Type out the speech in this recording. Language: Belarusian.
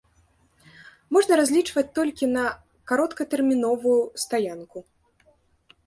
Можна разлічваць толькі на кароткатэрміновую стаянку.